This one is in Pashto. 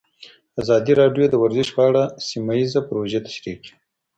ازادي راډیو د ورزش په اړه سیمه ییزې پروژې تشریح کړې.